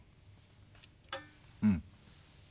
うん。